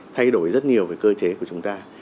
thay đổi rất nhiều về cơ chế của chúng ta